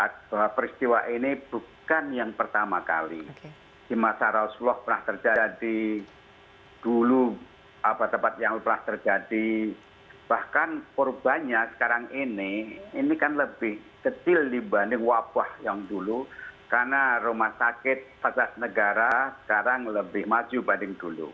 ke rumah lainnya walaupun masih di